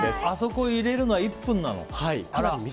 あそこいられるのは１分なの？